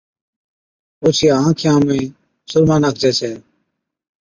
اوڇِيان آنکيان ۾ سُرما ناکجَي ڇَي